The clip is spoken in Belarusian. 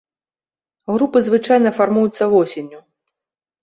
Групы звычайна фармуюцца восенню.